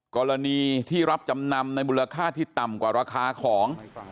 กรณีที่รับจำนำในมูลค่าที่ต่ำกว่าราคาของ